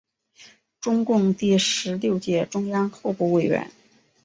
中共第十六届中央候补委员。